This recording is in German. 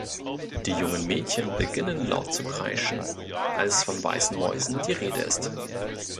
Die jungen Mädchen beginnen laut zu kreischen, als von weißen Mäusen die Rede ist.